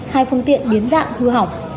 hai phương tiện biến dạng hư hỏng